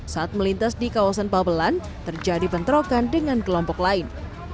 saat melintas di kawasan babelan terjadi bentrokan dengan kelompok lain